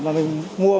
mà mình có thể lựa chọn